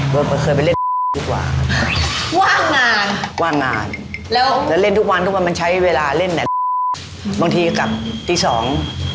เวิร์กมันเคยไปเล่นว่างนานว่างนานแล้วแล้วเล่นทุกวันทุกวันมันใช้เวลาเล่นบางทีกลับทีสอง